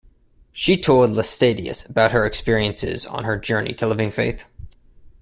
She told Laestadius about her experiences on her journey to living faith.